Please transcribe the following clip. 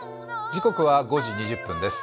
時刻は５時２０分です。